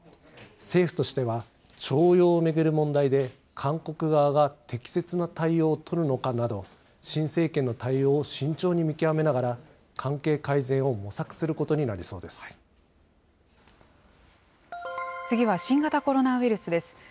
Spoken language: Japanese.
政府としては、徴用を巡る問題で韓国側が適切な対応を取るのかなど、新政権の対応を慎重に見極めながら、関係改善を模索すること次は、新型コロナウイルスです。